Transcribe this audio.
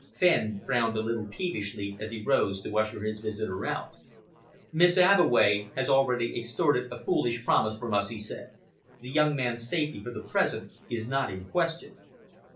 Fenn frowned a little peevishly as he rose to usher his visitor out. "Miss Abbeway has already extorted a foolish promise from us," he said. "The young man's safety for the present is not in question."